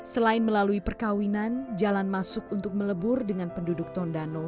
selain melalui perkawinan jalan masuk untuk melebur dengan penduduk tondano